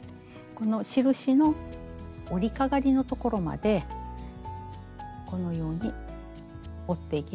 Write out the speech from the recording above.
この印の織りかがりのところまでこのように織っていきます。